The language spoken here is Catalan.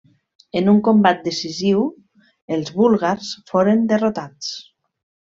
En un combat decisiu els búlgars foren derrotats.